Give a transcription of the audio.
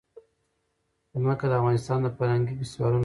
ځمکه د افغانستان د فرهنګي فستیوالونو برخه ده.